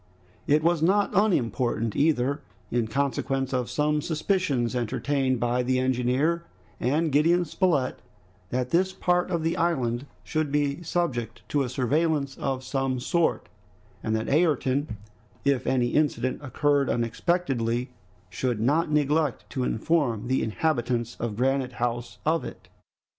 It was not unimportant either, in consequence of some suspicions entertained by the engineer and Gideon Spilett, that this part of the island should be subject to a surveillance of some sort, and that Ayrton, if any incident occurred unexpectedly, should not neglect to inform the inhabitants of Granite House of it.